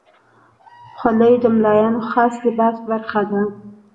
خولۍ د ملایانو خاص لباس برخه ده.